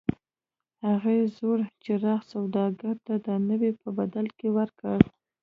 هغې زوړ څراغ سوداګر ته د نوي په بدل کې ورکړ.